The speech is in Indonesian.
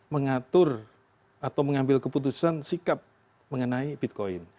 mengatur atau mengambil keputusan sikap mengenai bitcoin